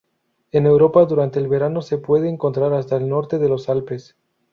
En Europa, durante el verano se puede encontrar hasta el norte de los Alpes.